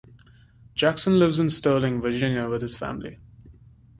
Jackson lives in Sterling Virginia with his family.